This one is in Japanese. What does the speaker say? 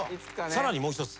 さらにもう一つ。